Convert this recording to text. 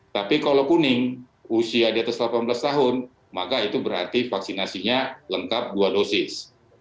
tapi kalau kuning usia di atas delapan belas tahun maka itu berarti vaksinasinya lengkap dua dosis